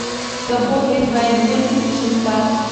د خوست په اسماعیل خیل کې څه شی شته؟